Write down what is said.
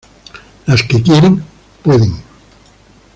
Las que quieren, pueden.